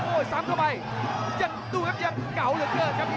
โอ้ยซ้ำเข้าไปยังเก่าเหลือเกินครับ